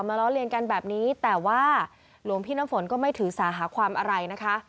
ล้อเลียนกันแบบนี้แต่ว่าหลวงพี่น้ำฝนก็ไม่ถือสาหาความอะไรนะคะ